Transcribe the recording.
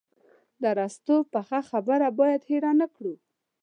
د ارسطو پخه خبره باید هېره نه کړو.